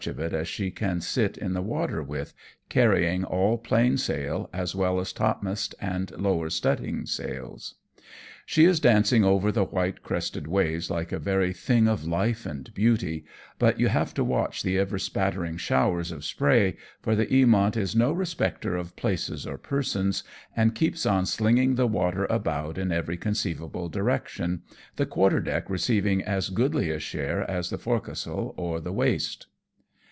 209 of it as she can sit in the water with, carrying all plain sail, as well as topmast and lower studding sails. She is dancing over the white crested waves like a very thing of life and beauty, but you have to watch the ever spattering showers of spray, for the Eamonf is no respecter of places or persons, and keeps on slinging the water about in every conceivable direction, the quarterdeck receiving as goodly a share as the fore castle or the waist.